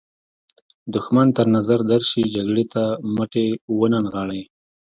دښمن تر نظر درشي جګړې ته مټې ونه نغاړئ.